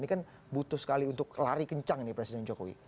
ini kan butuh sekali untuk lari kencang nih presiden jokowi